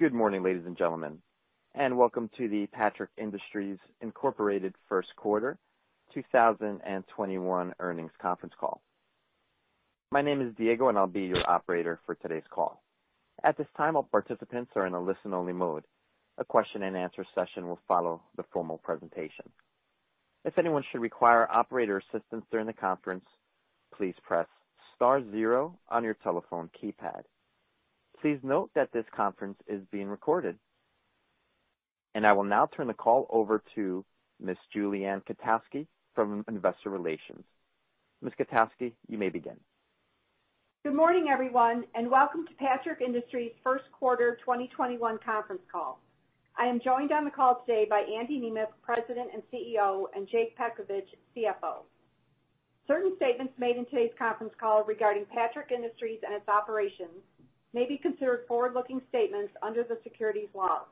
Good morning, ladies and gentlemen, welcome to the Patrick Industries Incorporated First Quarter 2021 Earnings Conference Call. My name is Diego, and I'll be your operator for today's call. At this time, all participants are in a listen-only mode. A question and answer session will follow the formal presentation. If anyone should require operator assistance during the conference, please press star zero on your telephone keypad. Please note that this conference is being recorded. I will now turn the call over to Miss Julie Ann Kotowski from investor relations. Miss Kotowski, you may begin. Good morning, everyone, and welcome to Patrick Industries' First Quarter 2021 conference call. I am joined on the call today by Andy Nemeth, President and Chief Executive Officer, and Jake Petkovich, Chief Financial Officer. Certain statements made in today's conference call regarding Patrick Industries and its operations may be considered forward-looking statements under the securities laws.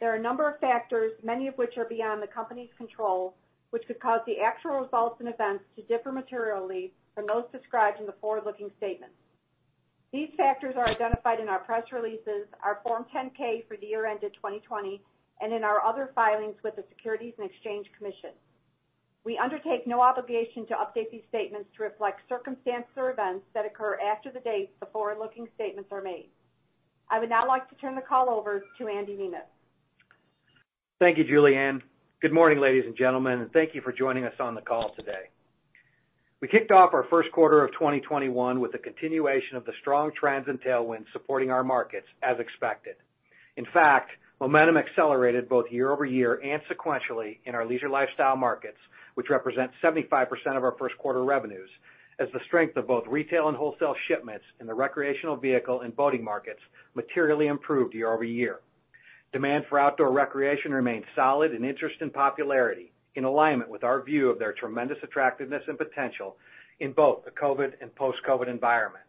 There are a number of factors, many of which are beyond the company's control, which could cause the actual results and events to differ materially from those described in the forward-looking statements. These factors are identified in our press releases, our Form 10-K for the year ended 2020, and in our other filings with the Securities and Exchange Commission. We undertake no obligation to update these statements to reflect circumstances or events that occur after the date the forward-looking statements are made. I would now like to turn the call over to Andy Nemeth. Thank you, Julie Ann Kotowski. Good morning, ladies and gentlemen, and thank you for joining us on the call today. We kicked off our first quarter of 2021 with the continuation of the strong trends and tailwinds supporting our markets as expected. In fact, momentum accelerated both year-over-year and sequentially in our leisure lifestyle markets, which represent 75% of our first quarter revenues, as the strength of both retail and wholesale shipments in the recreational vehicle and boating markets materially improved year-over-year. Demand for outdoor recreation remained solid and interest and popularity, in alignment with our view of their tremendous attractiveness and potential in both the COVID and post-COVID environment.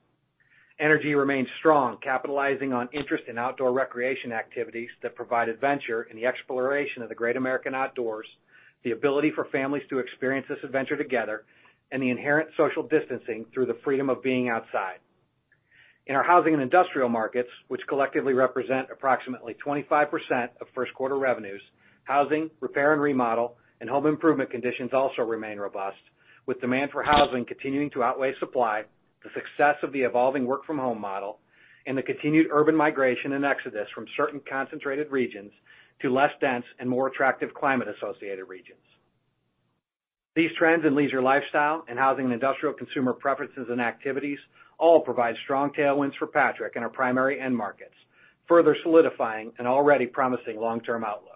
Energy remains strong, capitalizing on interest in outdoor recreation activities that provide adventure in the exploration of the great American outdoors, the ability for families to experience this adventure together, and the inherent social distancing through the freedom of being outside. In our housing and industrial markets, which collectively represent approximately 25% of first quarter revenues, housing, repair and remodel, and home improvement conditions also remain robust, with demand for housing continuing to outweigh supply, the success of the evolving work from home model, and the continued urban migration and exodus from certain concentrated regions to less dense and more attractive climate-associated regions. These trends in leisure lifestyle and housing and industrial consumer preferences and activities all provide strong tailwinds for Patrick in our primary end markets, further solidifying an already promising long-term outlook.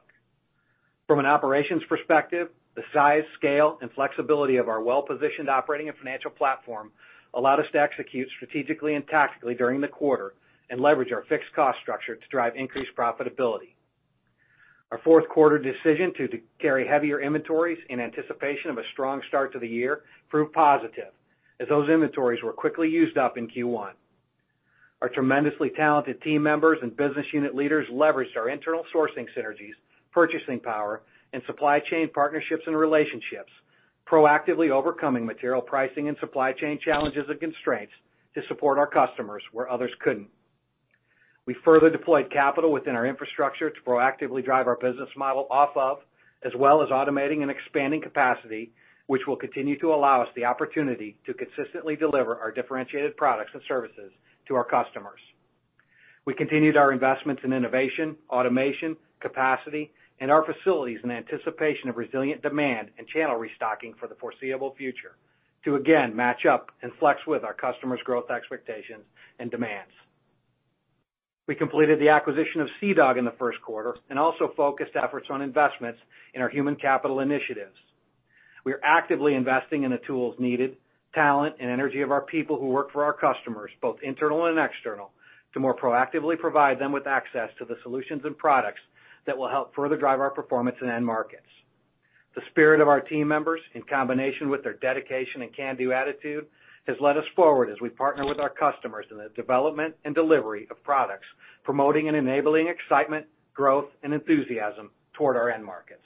From an operations perspective, the size, scale, and flexibility of our well-positioned operating and financial platform allowed us to execute strategically and tactically during the quarter and leverage our fixed cost structure to drive increased profitability. Our fourth quarter decision to carry heavier inventories in anticipation of a strong start to the year proved positive as those inventories were quickly used up in Q1. Our tremendously talented team members and business unit leaders leveraged our internal sourcing synergies, purchasing power, and supply chain partnerships and relationships, proactively overcoming material pricing and supply chain challenges and constraints to support our customers where others couldn't. We further deployed capital within our infrastructure to proactively drive our business model off of, as well as automating and expanding capacity, which will continue to allow us the opportunity to consistently deliver our differentiated products and services to our customers. We continued our investments in innovation, automation, capacity, and our facilities in anticipation of resilient demand and channel restocking for the foreseeable future to again match up and flex with our customers' growth expectations and demands. We completed the acquisition of Sea-Dog Line in the first quarter and also focused efforts on investments in our human capital initiatives. We are actively investing in the tools needed, talent and energy of our people who work for our customers, both internal and external. To more proactively provide them with access to the solutions and products that will help further drive our performance in end markets. The spirit of our team members, in combination with their dedication and can-do attitude, has led us forward as we partner with our customers in the development and delivery of products promoting and enabling excitement, growth, and enthusiasm toward our end markets.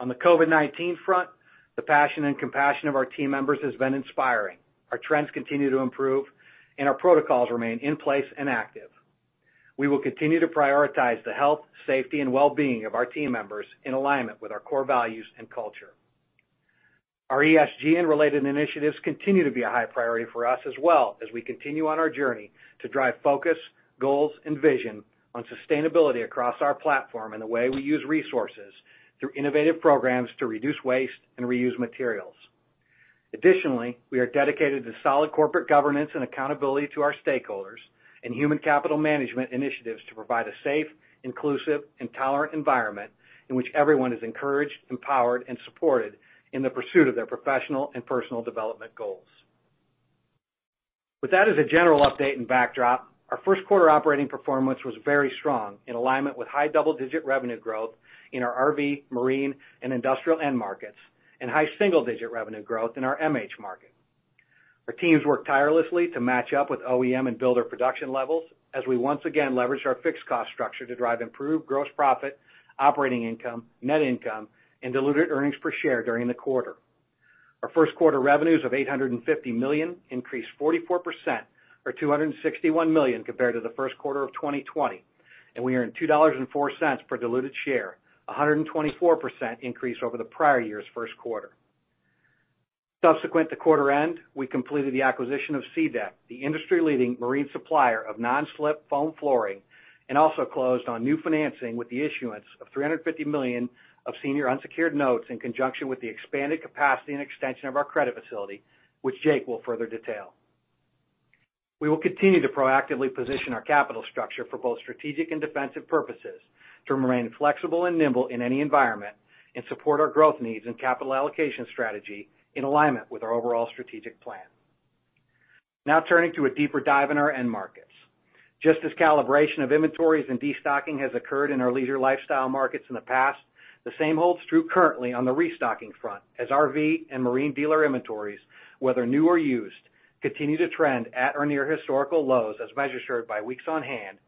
On the COVID-19 front, the passion and compassion of our team members has been inspiring. Our trends continue to improve, and our protocols remain in place and active. We will continue to prioritize the health, safety, and well-being of our team members in alignment with our core values and culture. Our ESG and related initiatives continue to be a high priority for us as well, as we continue on our journey to drive focus, goals, and vision on sustainability across our platform and the way we use resources through innovative programs to reduce waste and reuse materials. Additionally, we are dedicated to solid corporate governance and accountability to our stakeholders and human capital management initiatives to provide a safe, inclusive, and tolerant environment in which everyone is encouraged, empowered, and supported in the pursuit of their professional and personal development goals. With that as a general update and backdrop, our first quarter operating performance was very strong in alignment with high double-digit revenue growth in our RV, marine, and industrial end markets and high single-digit revenue growth in our MH market. Our teams worked tirelessly to match up with OEM and builder production levels as we once again leveraged our fixed cost structure to drive improved gross profit, operating income, net income, and diluted earnings per share during the quarter. Our first quarter revenues of $850 million increased 44%, or $261 million compared to the first quarter of 2020. We earned $2.04 per diluted share, 124% increase over the prior year's first quarter. Subsequent to quarter end, we completed the acquisition of SeaDek, the industry-leading marine supplier of non-slip foam flooring, and also closed on new financing with the issuance of $350 million of senior unsecured notes in conjunction with the expanded capacity and extension of our credit facility, which Jake will further detail. We will continue to proactively position our capital structure for both strategic and defensive purposes to remain flexible and nimble in any environment and support our growth needs and capital allocation strategy in alignment with our overall strategic plan. Now turning to a deeper dive in our end markets. Just as calibration of inventories and de-stocking has occurred in our leisure lifestyle markets in the past, the same holds true currently on the restocking front, as RV and marine dealer inventories, whether new or used, continue to trend at or near historical lows as measured by weeks on hand.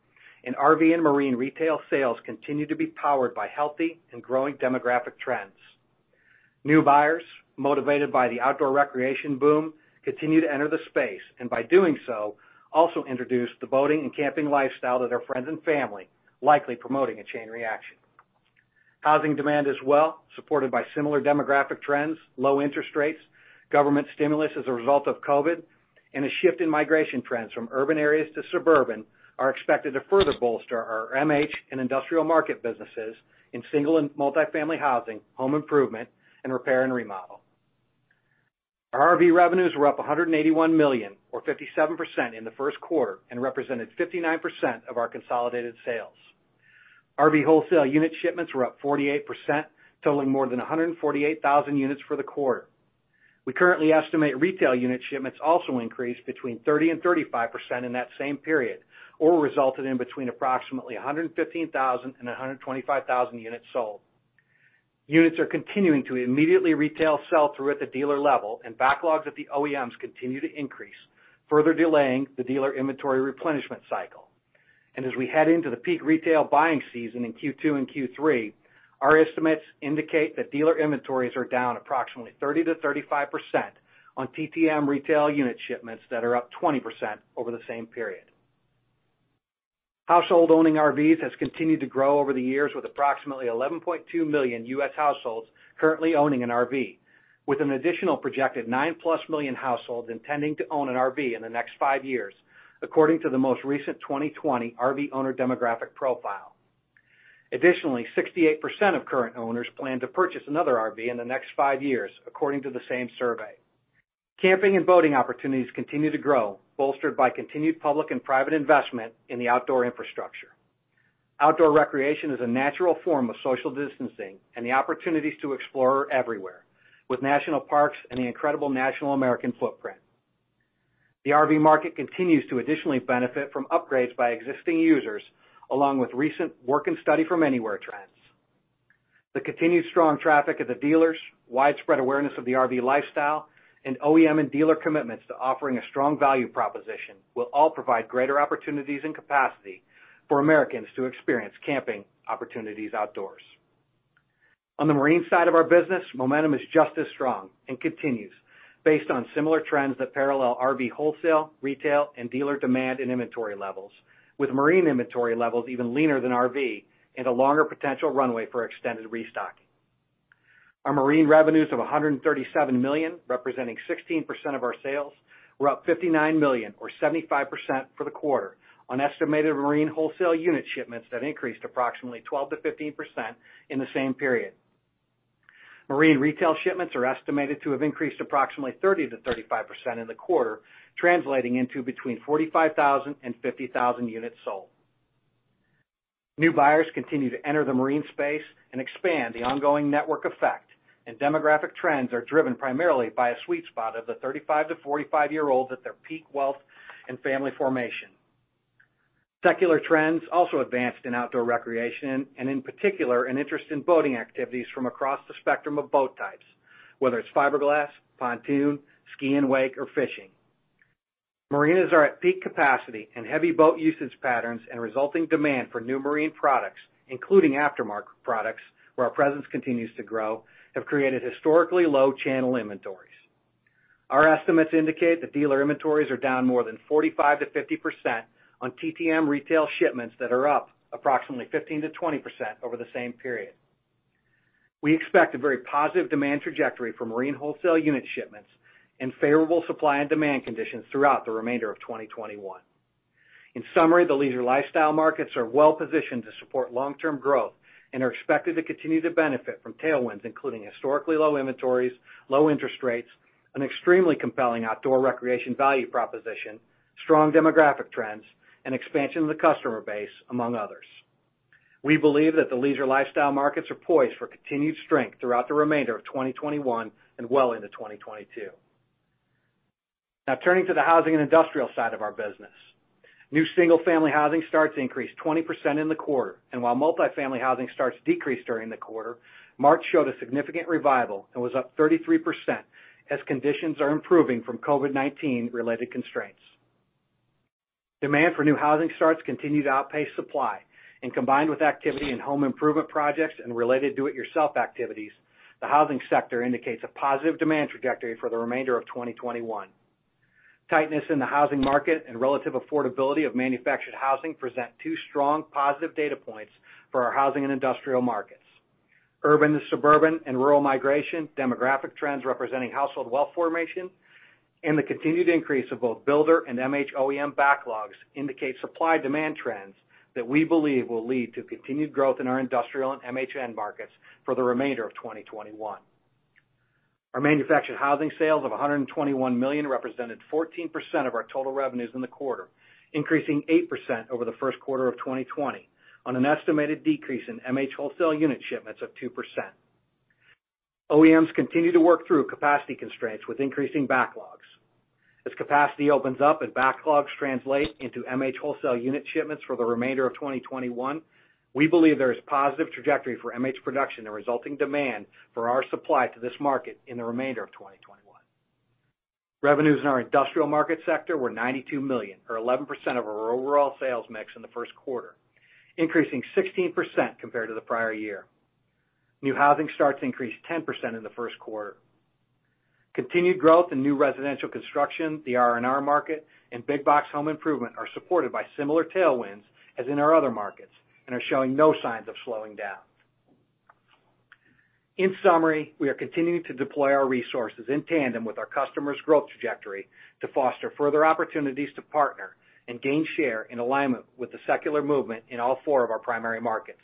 RV and marine retail sales continue to be powered by healthy and growing demographic trends. New buyers, motivated by the outdoor recreation boom, continue to enter the space, and by doing so, also introduce the boating and camping lifestyle to their friends and family, likely promoting a chain reaction. Housing demand as well, supported by similar demographic trends, low interest rates, government stimulus as a result of COVID, and a shift in migration trends from urban areas to suburban, are expected to further bolster our MH and industrial market businesses in single and multi-family housing, home improvement, and repair and remodel. Our RV revenues were up $181 million, or 57% in the first quarter and represented 59% of our consolidated sales. RV wholesale unit shipments were up 48%, totaling more than 148,000 units for the quarter. We currently estimate retail unit shipments also increased between 30% and 35% in that same period, or resulted in between approximately 115,000 and 125,000 units sold. Units are continuing to immediately retail sell through at the dealer level. Backlogs at the OEMs continue to increase, further delaying the dealer inventory replenishment cycle. As we head into the peak retail buying season in Q2 and Q3, our estimates indicate that dealer inventories are down approximately 30%-35% on TTM retail unit shipments that are up 20% over the same period. Households owning RVs has continued to grow over the years, with approximately 11.2 million U.S. households currently owning an RV, with an additional projected 9+ million households intending to own an RV in the next five years, according to the most recent 2020 RV Owner Demographic Profile. Additionally, 68% of current owners plan to purchase another RV in the next five years, according to the same survey. Camping and boating opportunities continue to grow, bolstered by continued public and private investment in the outdoor infrastructure. Outdoor recreation is a natural form of social distancing, and the opportunities to explore are everywhere, with national parks and the incredible national American footprint. The RV market continues to additionally benefit from upgrades by existing users, along with recent work and study from anywhere trends. The continued strong traffic at the dealers, widespread awareness of the RV lifestyle, and OEM and dealer commitments to offering a strong value proposition will all provide greater opportunities and capacity for Americans to experience camping opportunities outdoors. On the marine side of our business, momentum is just as strong and continues based on similar trends that parallel RV wholesale, retail, and dealer demand and inventory levels, with marine inventory levels even leaner than RV and a longer potential runway for extended restocking. Our marine revenues of $137 million, representing 16% of our sales, were up $59 million, or 75% for the quarter, on estimated marine wholesale unit shipments that increased approximately 12%-15% in the same period. Marine retail shipments are estimated to have increased approximately 30%-35% in the quarter, translating into between 45,000 and 50,000 units sold. New buyers continue to enter the marine space and expand the ongoing network effect, and demographic trends are driven primarily by a sweet spot of the 35 to 45-year-olds at their peak wealth and family formation. Secular trends also advanced in outdoor recreation, and in particular, an interest in boating activities from across the spectrum of boat types, whether it's fiberglass, pontoon, ski and wake, or fishing. Marinas are at peak capacity, heavy boat usage patterns and resulting demand for new marine products, including aftermarket products, where our presence continues to grow, have created historically low channel inventories. Our estimates indicate that dealer inventories are down more than 45%-50% on TTM retail shipments that are up approximately 15%-20% over the same period. We expect a very positive demand trajectory for marine wholesale unit shipments and favorable supply and demand conditions throughout the remainder of 2021. In summary, the leisure lifestyle markets are well positioned to support long-term growth and are expected to continue to benefit from tailwinds, including historically low inventories, low interest rates, an extremely compelling outdoor recreation value proposition, strong demographic trends, and expansion of the customer base, among others. We believe that the leisure lifestyle markets are poised for continued strength throughout the remainder of 2021 and well into 2022. Turning to the housing and industrial side of our business. New single-family housing starts increased 20% in the quarter, and while multifamily housing starts decreased during the quarter, March showed a significant revival and was up 33% as conditions are improving from COVID-19 related constraints. Demand for new housing starts continue to outpace supply, and combined with activity in home improvement projects and related do-it-yourself activities. The housing sector indicates a positive demand trajectory for the remainder of 2021. Tightness in the housing market and relative affordability of manufactured housing present two strong positive data points for our housing and industrial markets. Urban to suburban and rural migration, demographic trends representing household wealth formation, and the continued increase of both builder and MH OEM backlogs indicate supply-demand trends that we believe will lead to continued growth in our industrial and MH markets for the remainder of 2021. Our manufactured housing sales of $121 million represented 14% of our total revenues in the quarter, increasing 8% over the first quarter of 2020 on an estimated decrease in MH wholesale unit shipments of 2%. OEMs continue to work through capacity constraints with increasing backlogs. As capacity opens up and backlogs translate into MH wholesale unit shipments for the remainder of 2021, we believe there is positive trajectory for MH production and resulting demand for our supply to this market in the remainder of 2021. Revenues in our industrial market sector were $92 million, or 11% of our overall sales mix in the first quarter, increasing 16% compared to the prior year. New housing starts increased 10% in the first quarter. Continued growth in new residential construction, the R&R market, and big box home improvement are supported by similar tailwinds as in our other markets and are showing no signs of slowing down. In summary, we are continuing to deploy our resources in tandem with our customers' growth trajectory to foster further opportunities to partner and gain share in alignment with the secular movement in all four of our primary markets.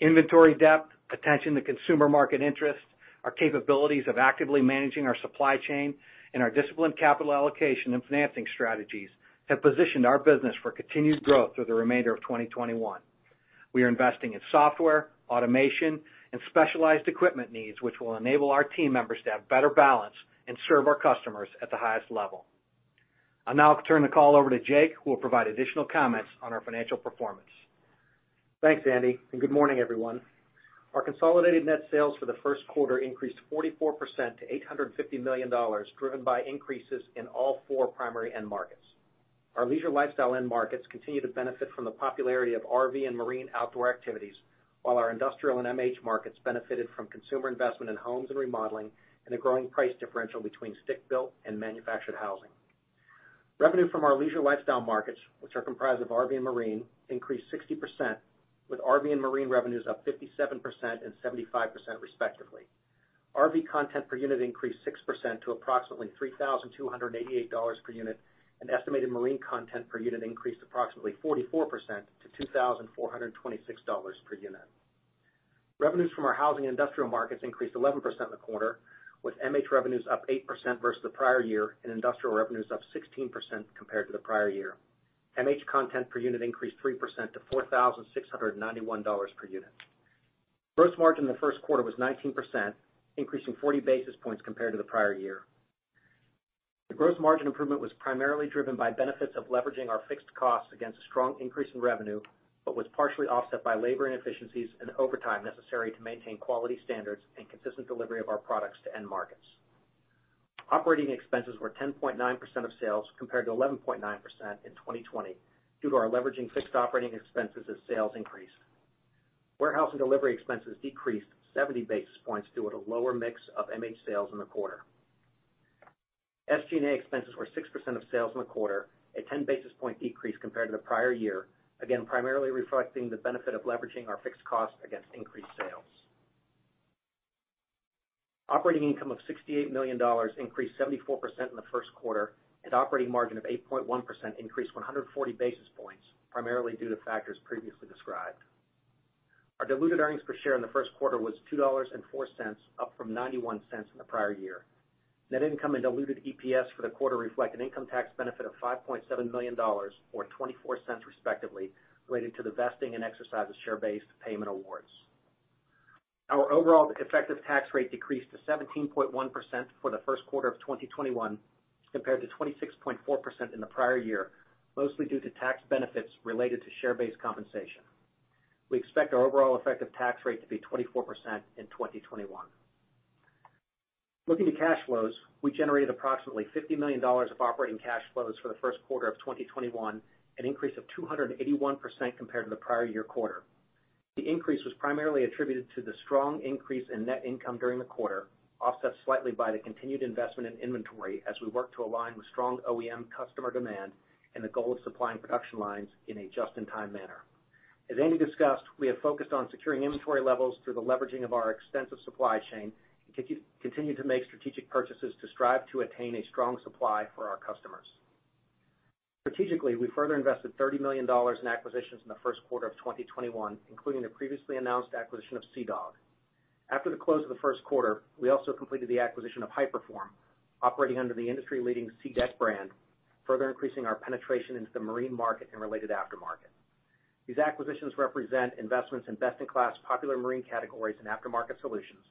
Inventory depth, attention to consumer market interest, our capabilities of actively managing our supply chain, and our disciplined capital allocation and financing strategies have positioned our business for continued growth through the remainder of 2021. We are investing in software, automation, and specialized equipment needs, which will enable our team members to have better balance and serve our customers at the highest level. I'll now turn the call over to Jake, who will provide additional comments on our financial performance. Thanks, Andy, and good morning, everyone. Our consolidated net sales for the first quarter increased 44% to $850 million, driven by increases in all four primary end markets. Our leisure lifestyle end markets continue to benefit from the popularity of RV and marine outdoor activities, while our industrial and MH markets benefited from consumer investment in homes and remodeling and a growing price differential between stick-built and manufactured housing. Revenue from our leisure lifestyle markets, which are comprised of RV and marine, increased 60%, with RV and marine revenues up 57% and 75% respectively. RV content per unit increased 6% to approximately $3,288 per unit, and estimated marine content per unit increased approximately 44% to $2,426 per unit. Revenues from our housing and industrial markets increased 11% in the quarter, with MH revenues up 8% versus the prior year and industrial revenues up 16% compared to the prior year. MH content per unit increased 3% to $4,691 per unit. Gross margin in the first quarter was 19%, increasing 40 basis points compared to the prior year. The gross margin improvement was primarily driven by benefits of leveraging our fixed costs against a strong increase in revenue, but was partially offset by labor inefficiencies and overtime necessary to maintain quality standards and consistent delivery of our products to end markets. Operating expenses were 10.9% of sales, compared to 11.9% in 2020, due to our leveraging fixed operating expenses as sales increased. Warehouse and delivery expenses decreased 70 basis points due to a lower mix of MH sales in the quarter. SG&A expenses were 6% of sales in the quarter, a 10 basis point decrease compared to the prior year, again, primarily reflecting the benefit of leveraging our fixed costs against increased sales. Operating income of $68 million increased 74% in the first quarter, and operating margin of 8.1% increased 140 basis points, primarily due to factors previously described. Our diluted earnings per share in the first quarter was $2.04, up from $0.91 in the prior year. Net income and diluted EPS for the quarter reflect an income tax benefit of $5.7 million, or $0.24 respectively, related to the vesting and exercise of share-based payment awards. Our overall effective tax rate decreased to 17.1% for the first quarter of 2021, compared to 26.4% in the prior year, mostly due to tax benefits related to share-based compensation. We expect our overall effective tax rate to be 24% in 2021. Looking to cash flows, we generated approximately $50 million of operating cash flows for the first quarter of 2021, an increase of 281% compared to the prior year quarter. The increase was primarily attributed to the strong increase in net income during the quarter, offset slightly by the continued investment in inventory as we work to align with strong OEM customer demand and the goal of supplying production lines in a just-in-time manner. As Andy discussed, we have focused on securing inventory levels through the leveraging of our extensive supply chain and continue to make strategic purchases to strive to attain a strong supply for our customers. Strategically, we further invested $30 million in acquisitions in the first quarter of 2021, including the previously announced acquisition of Sea-Dog. After the close of the first quarter, we also completed the acquisition of Hyperform, operating under the industry-leading SeaDek brand, further increasing our penetration into the marine market and related aftermarket. These acquisitions represent investments in best-in-class popular marine categories and aftermarket solutions,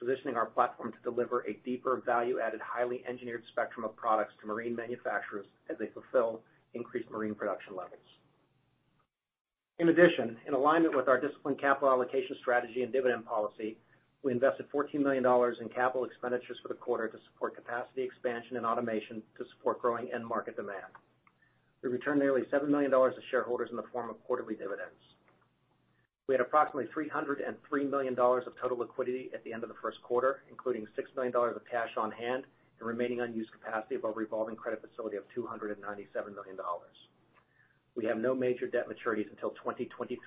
positioning our platform to deliver a deeper value-added, highly engineered spectrum of products to marine manufacturers as they fulfill increased marine production levels. In addition, in alignment with our disciplined capital allocation strategy and dividend policy, we invested $14 million in capital expenditures for the quarter to support capacity expansion and automation to support growing end market demand. We returned nearly $7 million to shareholders in the form of quarterly dividends. We had approximately $303 million of total liquidity at the end of the first quarter, including $6 million of cash on hand and remaining unused capacity of our revolving credit facility of $297 million. We have no major debt maturities until 2023.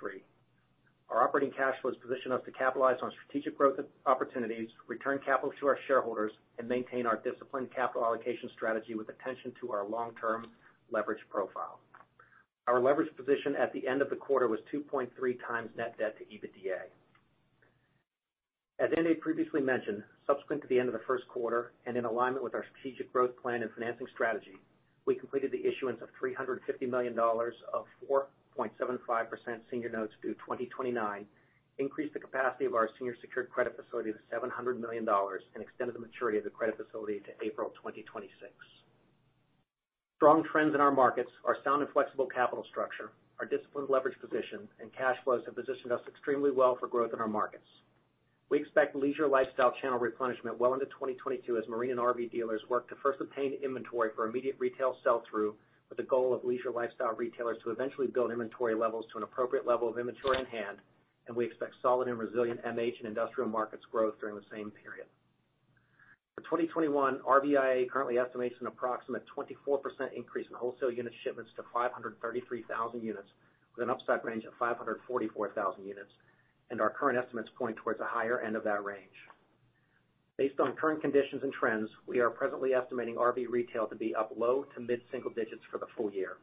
Our operating cash flows position us to capitalize on strategic growth opportunities, return capital to our shareholders, and maintain our disciplined capital allocation strategy with attention to our long-term leverage profile. Our leverage position at the end of the quarter was 2.3 times net debt to EBITDA. As Andy previously mentioned, subsequent to the end of the first quarter and in alignment with our strategic growth plan and financing strategy, we completed the issuance of $350 million of 4.75% senior notes due 2029, increased the capacity of our senior secured credit facility to $700 million, and extended the maturity of the credit facility to April 2026. Strong trends in our markets, our sound and flexible capital structure, our disciplined leverage position, and cash flows have positioned us extremely well for growth in our markets. We expect leisure lifestyle channel replenishment well into 2022 as marine and RV dealers work to first obtain inventory for immediate retail sell-through. With the goal of leisure lifestyle retailers to eventually build inventory levels to an appropriate level of inventory on hand. We expect solid and resilient MH and industrial markets growth during the same period. For 2021, RVIA currently estimates an approximate 24% increase in wholesale unit shipments to 533,000 units, with an upside range of 544,000 units. Our current estimates point towards the higher end of that range. Based on current conditions and trends, we are presently estimating RV retail to be up low to mid-single digits for the full year.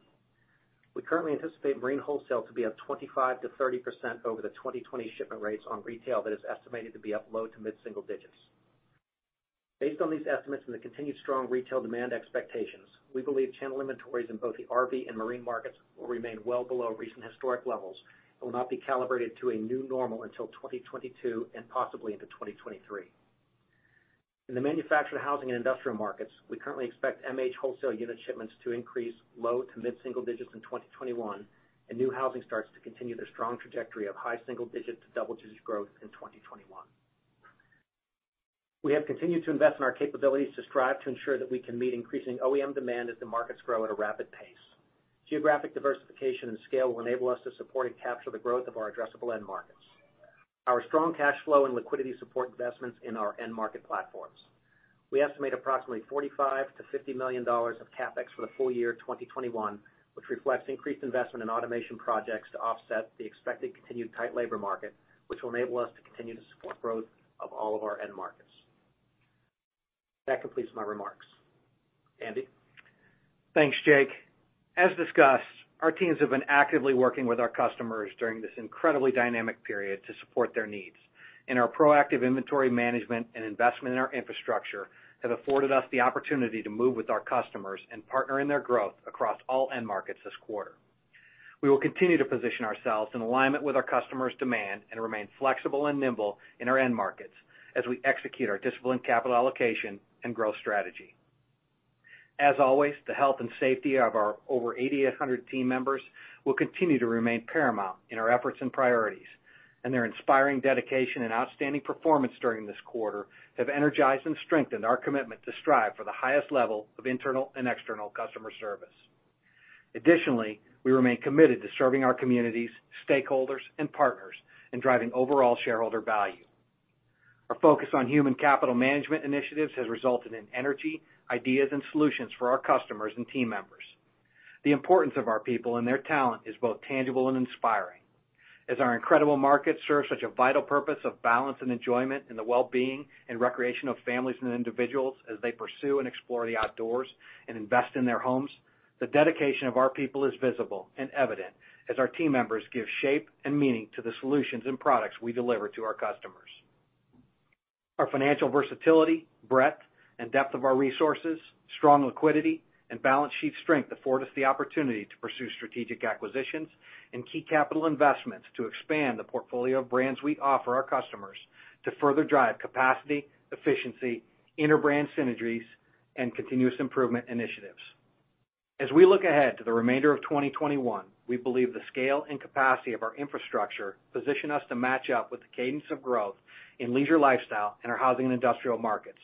We currently anticipate marine wholesale to be up 25%-30% over the 2020 shipment rates on retail that is estimated to be up low to mid-single digits. Based on these estimates and the continued strong retail demand expectations, we believe channel inventories in both the RV and marine markets will remain well below recent historic levels and will not be calibrated to a new normal until 2022 and possibly into 2023. In the manufactured housing and industrial markets, we currently expect MH wholesale unit shipments to increase low to mid-single digits in 2021, and new housing starts to continue their strong trajectory of high single digits to double-digit growth in 2021. We have continued to invest in our capabilities to strive to ensure that we can meet increasing OEM demand as the markets grow at a rapid pace. Geographic diversification and scale will enable us to support and capture the growth of our addressable end markets. Our strong cash flow and liquidity support investments in our end market platforms. We estimate approximately $45 million-$50 million of CapEx for the full year 2021, which reflects increased investment in automation projects to offset the expected continued tight labor market, which will enable us to continue to support growth of all of our end markets. That completes my remarks. Andy? Thanks, Jake. As discussed, our teams have been actively working with our customers during this incredibly dynamic period to support their needs, and our proactive inventory management and investment in our infrastructure have afforded us the opportunity to move with our customers and partner in their growth across all end markets this quarter. We will continue to position ourselves in alignment with our customers' demand and remain flexible and nimble in our end markets as we execute our disciplined capital allocation and growth strategy. As always, the health and safety of our over 8,800 team members will continue to remain paramount in our efforts and priorities, and their inspiring dedication and outstanding performance during this quarter have energized and strengthened our commitment to strive for the highest level of internal and external customer service. Additionally, we remain committed to serving our communities, stakeholders, and partners in driving overall shareholder value. Our focus on human capital management initiatives has resulted in energy, ideas, and solutions for our customers and team members. The importance of our people and their talent is both tangible and inspiring. As our incredible markets serve such a vital purpose of balance and enjoyment in the well-being and recreation of families and individuals as they pursue and explore the outdoors and invest in their homes, the dedication of our people is visible and evident as our team members give shape and meaning to the solutions and products we deliver to our customers. Our financial versatility, breadth, and depth of our resources, strong liquidity, and balance sheet strength afford us the opportunity to pursue strategic acquisitions and key capital investments to expand the portfolio of brands we offer our customers to further drive capacity, efficiency, inter-brand synergies, and continuous improvement initiatives. As we look ahead to the remainder of 2021, we believe the scale and capacity of our infrastructure position us to match up with the cadence of growth in leisure lifestyle and our housing and industrial markets.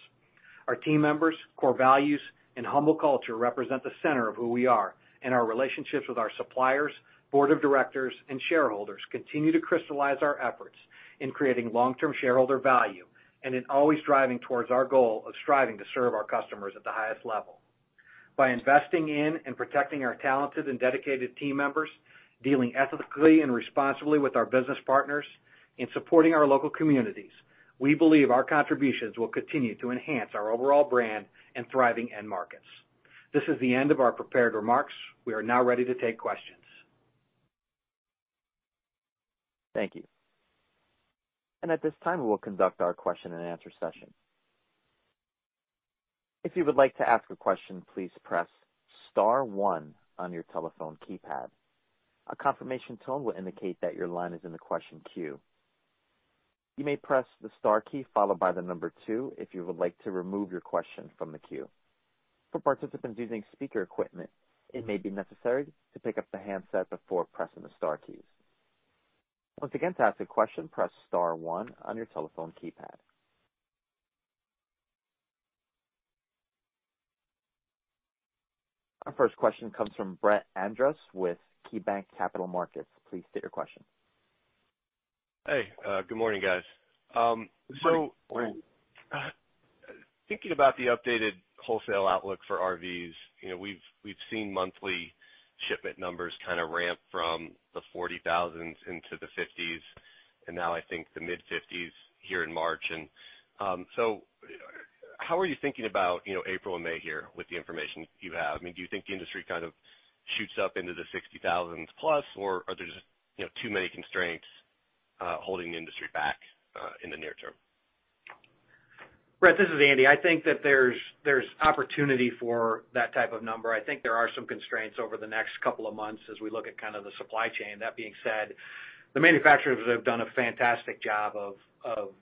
Our team members' core values and humble culture represent the center of who we are. Our relationships with our suppliers, board of directors, and shareholders continue to crystallize our efforts in creating long-term shareholder value and in always driving towards our goal of striving to serve our customers at the highest level. By investing in and protecting our talented and dedicated team members, dealing ethically and responsibly with our business partners, and supporting our local communities, we believe our contributions will continue to enhance our overall brand and thriving end markets. This is the end of our prepared remarks. We are now ready to take questions. Thank you. At this time, we will conduct our question and answer session. If you would like to ask a question, please press star one on your telephone keypad. A confirmation tone will indicate that your line is in the question queue. You may press the star key followed by the number two if you would like to remove your question from the queue. For participants using speaker equipment, it may be necessary to pick up the handset before pressing the star keys. Once again, to ask a question, press star one on your telephone keypad. Our first question comes from Brett Andress with KeyBanc Capital Markets. Please state your question. Hey, good morning, guys. Good morning. Thinking about the updated wholesale outlook for RVs, we've seen monthly shipment numbers kind of ramp from the 40,000 into the 50s, and now I think the mid-50s here in March. How are you thinking about April and May here with the information you have? Do you think the industry kind of shoots up into the 60,000 plus, or are there just too many constraints holding the industry back in the near term? Brett, this is Andy. I think that there's opportunity for that type of number. I think there are some constraints over the next couple of months as we look at kind of the supply chain. That being said, the manufacturers have done a fantastic job of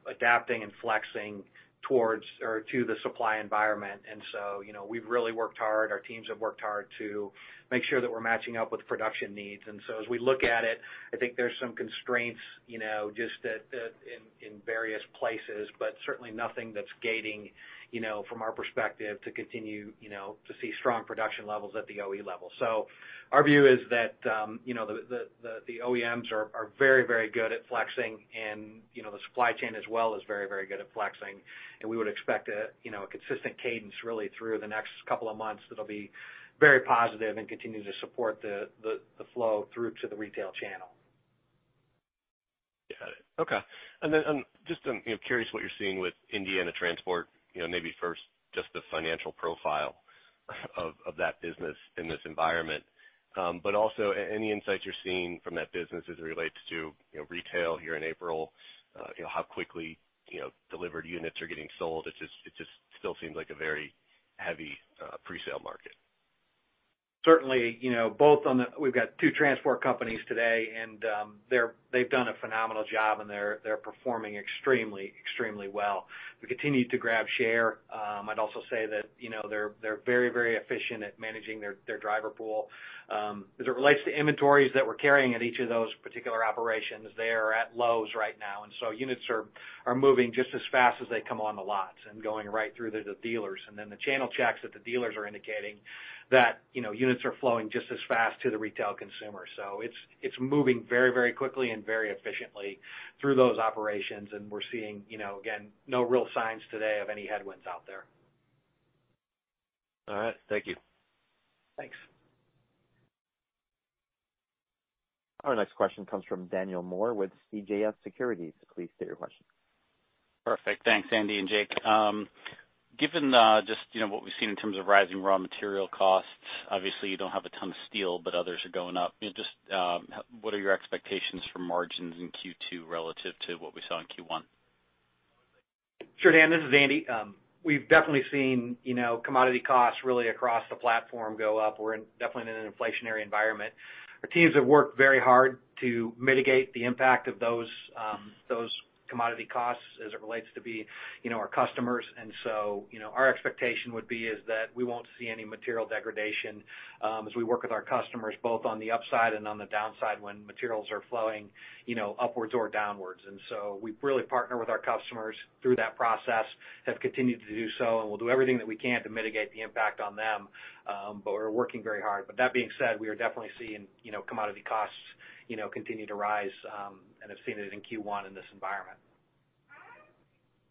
adapting and flexing to the supply environment. We've really worked hard. Our teams have worked hard to make sure that we're matching up with production needs. As we look at it, I think there's some constraints just in various places, but certainly nothing that's gating from our perspective to continue to see strong production levels at the OEM level. Our view is that the OEMs are very, very good at flexing, and the supply chain as well is very, very good at flexing. We would expect a consistent cadence really through the next couple of months that'll be very positive and continue to support the flow through to the retail channel. Got it. Okay. Just, I'm curious what you're seeing with Indiana Transport, maybe first just the financial profile of that business in this environment. Also any insights you're seeing from that business as it relates to retail here in April, how quickly delivered units are getting sold. It just still seems like a very heavy pre-sale market. Certainly, we've got two transport companies today, they've done a phenomenal job, they're performing extremely well. We continue to grab share. I'd also say that they're very efficient at managing their driver pool. As it relates to inventories that we're carrying at each of those particular operations, they are at lows right now, units are moving just as fast as they come on the lots and going right through to the dealers. The channel checks that the dealers are indicating that units are flowing just as fast to the retail consumer. It's moving very quickly and very efficiently through those operations, we're seeing, again, no real signs today of any headwinds out there. All right. Thank you. Thanks. Our next question comes from Daniel Moore with CJS Securities. Please state your question. Perfect. Thanks, Andy and Jake. Given just what we've seen in terms of rising raw material costs, obviously you don't have a ton of steel, but others are going up. Just what are your expectations for margins in Q2 relative to what we saw in Q1? Sure, Dan. This is Andy. We've definitely seen commodity costs really across the platform go up. We're definitely in an inflationary environment. Our teams have worked very hard to mitigate the impact of those commodity costs as it relates to our customers. Our expectation would be is that we won't see any material degradation as we work with our customers, both on the upside and on the downside when materials are flowing upwards or downwards. We really partner with our customers through that process, have continued to do so, and we'll do everything that we can to mitigate the impact on them. We're working very hard. That being said, we are definitely seeing commodity costs continue to rise and have seen it in Q1 in this environment.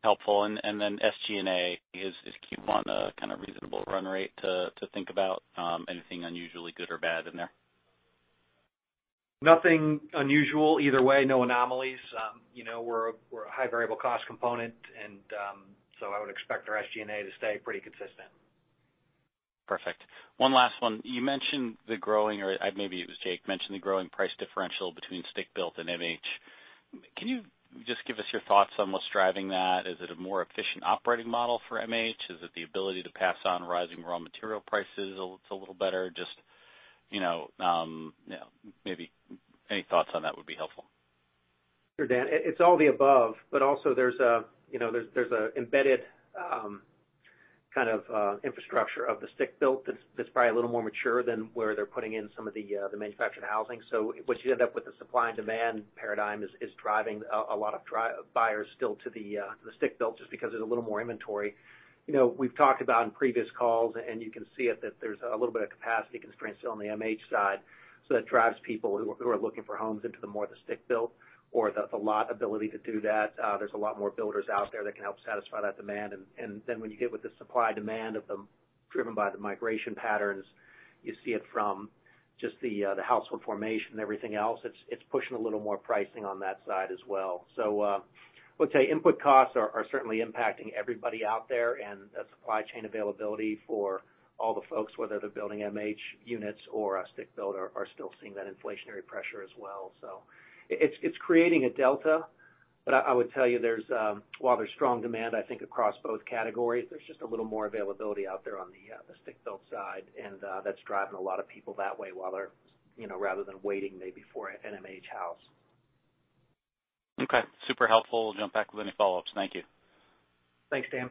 Helpful. SG&A, is Q1 a kind of reasonable run rate to think about? Anything unusually good or bad in there? Nothing unusual either way. No anomalies. We're a high variable cost component, and so I would expect our SG&A to stay pretty consistent. Perfect. One last one. You mentioned the growing, or maybe it was Jake, mentioned the growing price differential between stick-built and MH. Can you just give us your thoughts on what's driving that? Is it a more efficient operating model for MH? Is it the ability to pass on rising raw material prices a little better? Just maybe any thoughts on that would be helpful. Sure, Dan. It's all the above, but also there's an embedded kind of infrastructure of the stick-built that's probably a little more mature than where they're putting in some of the manufactured housing. What you end up with the supply and demand paradigm is driving a lot of buyers still to the stick-built just because there's a little more inventory. We've talked about on previous calls, and you can see it that there's a little bit of capacity constraints still on the MH side. That drives people who are looking for homes into the more the stick-built or the lot ability to do that. There's a lot more builders out there that can help satisfy that demand. When you get with the supply-demand driven by the migration patterns, you see it from just the household formation and everything else. It's pushing a little more pricing on that side as well. I would say input costs are certainly impacting everybody out there, and the supply chain availability for all the folks, whether they're building MH units or a stick-built, are still seeing that inflationary pressure as well. It's creating a delta. I would tell you while there's strong demand, I think, across both categories, there's just a little more availability out there on the stick-built side, and that's driving a lot of people that way rather than waiting maybe for an MH house. Okay. Super helpful. We'll jump back with any follow-ups. Thank you. Thanks, Dan.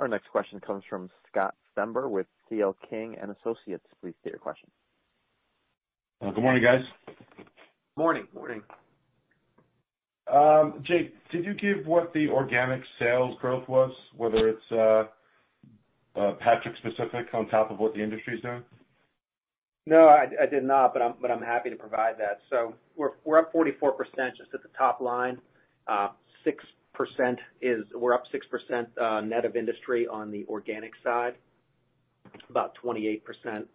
Our next question comes from Scott Stember with C.L. King & Associates. Please state your question. Good morning, guys. Morning. Morning. Jake, could you give what the organic sales growth was, whether it's Patrick specific on top of what the industry's doing? No, I did not, but I'm happy to provide that. We're up 44% just at the top line. We're up 6% net of industry on the organic side. About 28%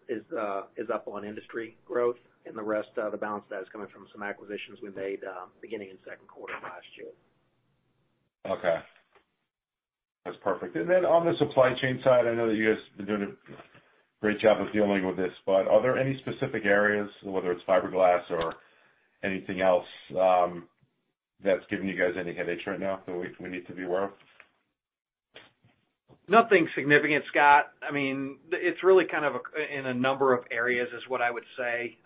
is up on industry growth, and the rest, the balance of that, is coming from some acquisitions we made beginning in the second quarter of last year. Okay. That's perfect. On the supply chain side, I know that you guys have been doing a great job of dealing with this, but are there any specific areas, whether it's fiberglass or anything else, that's giving you guys any headaches right now that we need to be aware of? Nothing significant, Scott. It's really in a number of areas is what I would say.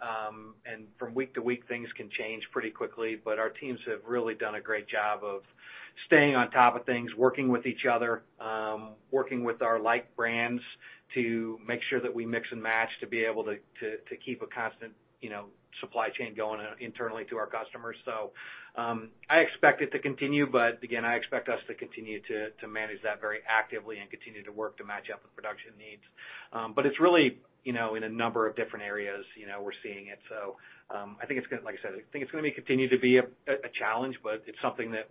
From week to week, things can change pretty quickly, but our teams have really done a great job of staying on top of things, working with each other, working with our like brands to make sure that we mix and match to be able to keep a constant supply chain going internally to our customers. I expect it to continue, but again, I expect us to continue to manage that very actively and continue to work to match up with production needs. It's really in a number of different areas we're seeing it. Like I said, I think it's going to continue to be a challenge, but it's something that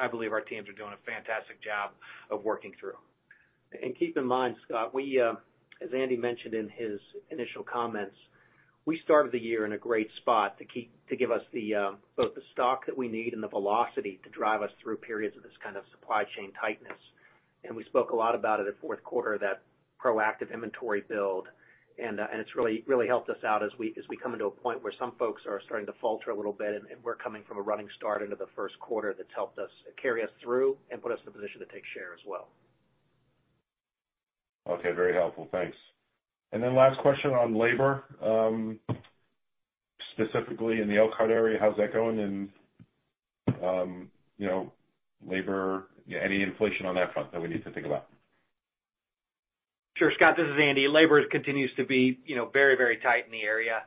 I believe our teams are doing a fantastic job of working through. Keep in mind, Scott, as Andy mentioned in his initial comments, we started the year in a great spot to give us both the stock that we need and the velocity to drive us through periods of this kind of supply chain tightness. We spoke a lot about it at fourth quarter, that proactive inventory build, it's really helped us out as we come into a point where some folks are starting to falter a little bit, we're coming from a running start into the first quarter that's helped us carry us through and put us in a position to take share as well. Okay. Very helpful. Thanks. Last question on labor, specifically in the Elkhart area, how's that going? Any inflation on that front that we need to think about? Sure, Scott, this is Andy. Labor continues to be very tight in the area.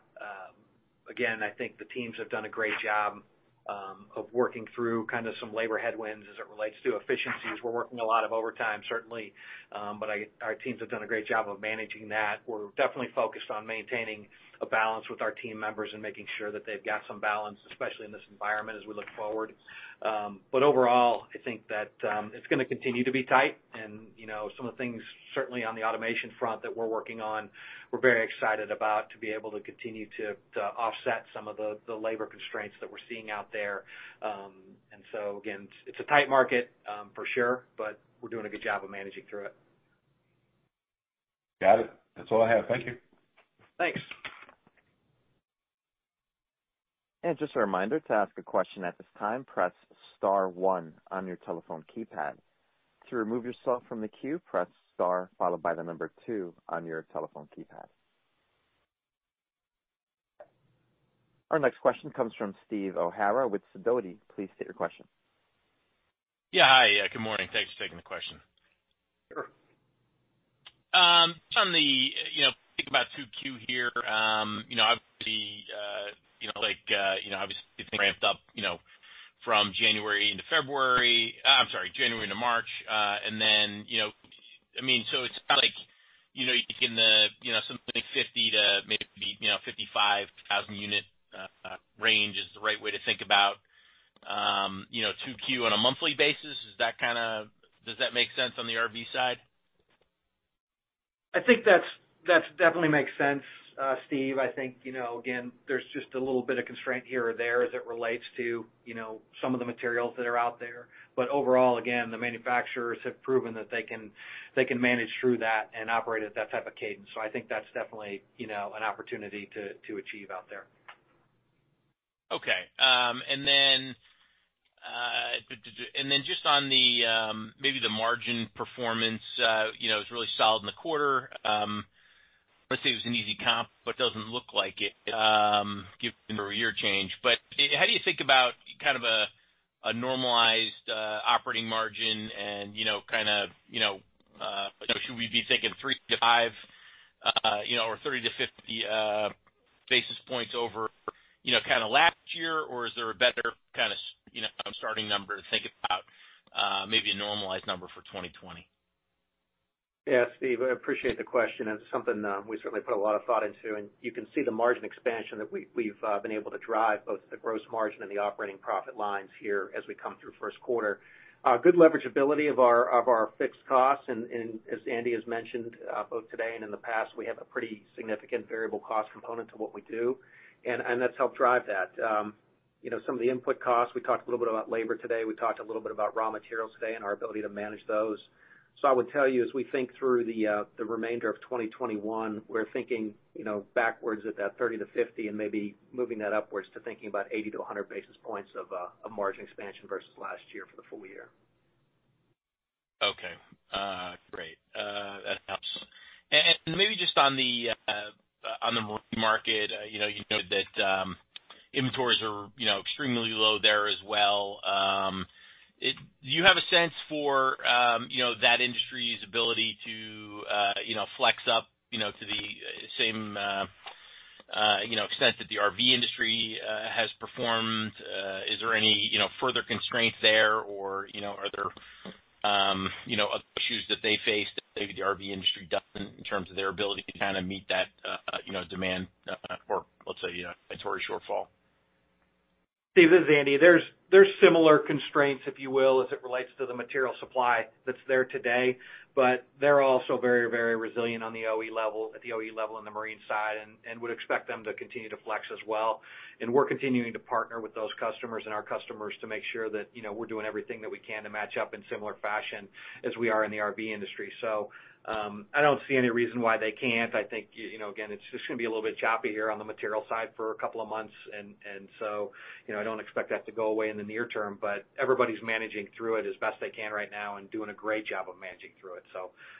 I think the teams have done a great job of working through some labor headwinds as it relates to efficiencies. We're working a lot of overtime, certainly, but our teams have done a great job of managing that. We're definitely focused on maintaining a balance with our team members and making sure that they've got some balance, especially in this environment as we look forward. Overall, I think that it's going to continue to be tight. Some of the things certainly on the automation front that we're working on, we're very excited about to be able to continue to offset some of the labor constraints that we're seeing out there. Again, it's a tight market for sure, but we're doing a good job of managing through it. Got it. That's all I have. Thank you. Thanks. Just a reminder, to ask a question at this time, press star one on your telephone keypad. To remove yourself from the queue, press star followed by the number two on your telephone keypad. Our next question comes from Steve O'Hara with Sidoti & Company. Please state your question. Yeah. Hi, good morning. Thanks for taking the question. Sure. Thinking about 2Q here, obviously, it's ramped up from January into February. I'm sorry, January into March. It's like in something 50 to maybe 55,000 unit range is the right way to think about 2Q on a monthly basis. Does that make sense on the RV side? I think that definitely makes sense, Steve. I think, again, there's just a little bit of constraint here or there as it relates to some of the materials that are out there. Overall, again, the manufacturers have proven that they can manage through that and operate at that type of cadence. I think that's definitely an opportunity to achieve out there. Okay. Just on maybe the margin performance, it was really solid in the quarter. I want to say it was an easy comp, it doesn't look like it given the year change. How do you think about a normalized operating margin, and should we be thinking three to five or 30 to 50 basis points over last year? Is there a better starting number to think about, maybe a normalized number for 2020? Steve, I appreciate the question. It's something we certainly put a lot of thought into. You can see the margin expansion that we've been able to drive, both at the gross margin and the operating profit lines here as we come through first quarter. Good leverageability of our fixed costs. As Andy has mentioned, both today and in the past, we have a pretty significant variable cost component to what we do, that's helped drive that. Some of the input costs, we talked a little bit about labor today, we talked a little bit about raw materials today and our ability to manage those. I would tell you, as we think through the remainder of 2021, we're thinking backwards at that 30-50 and maybe moving that upwards to thinking about 80-100 basis points of margin expansion versus last year for the full year. Okay. Just on the marine market, you noted that inventories are extremely low there as well. Do you have a sense for that industry's ability to flex up to the same extent that the RV industry has performed? Is there any further constraint there, or are there other issues that they face that maybe the RV industry doesn't in terms of their ability to meet that demand, or let's say, inventory shortfall? Steve, this is Andy. There's similar constraints, if you will, as it relates to the material supply that's there today. They're also very resilient at the OE level on the marine side, and would expect them to continue to flex as well. We're continuing to partner with those customers and our customers to make sure that we're doing everything that we can to match up in similar fashion as we are in the RV industry. I don't see any reason why they can't. I think, again, it's just going to be a little bit choppy here on the material side for a couple of months. I don't expect that to go away in the near term, but everybody's managing through it as best they can right now and doing a great job of managing through it.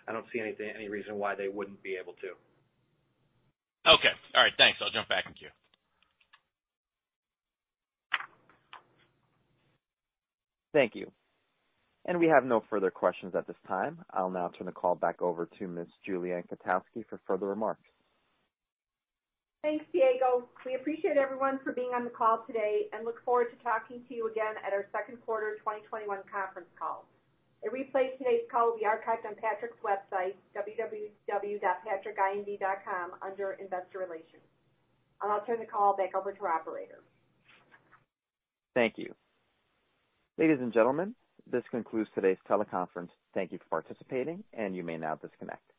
I don't see any reason why they wouldn't be able to. Okay. All right, thanks. I'll jump back in queue. Thank you. We have no further questions at this time. I'll now turn the call back over to Ms. Julie Ann Kotowski for further remarks. Thanks, Diego. We appreciate everyone for being on the call today and look forward to talking to you again at our second quarter 2021 conference call. A replay of today's call will be archived on Patrick's website, www.patrickind.com, under Investor Relations. I'll now turn the call back over to our operator. Thank you. Ladies and gentlemen, this concludes today's teleconference. Thank you for participating, and you may now disconnect.